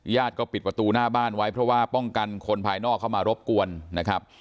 ก็ปิดประตูหน้าบ้านไว้เพราะว่าป้องกันคนภายนอกเข้ามารบกวนนะครับ